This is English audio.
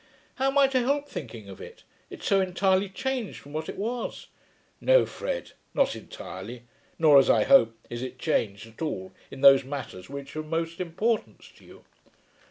"How am I to help thinking of it? It is so entirely changed from what it was." "No Fred, not entirely; nor as I hope, is it changed at all in those matters which are of most importance to you.